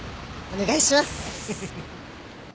お願いします。